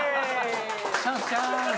チャンスチャンス！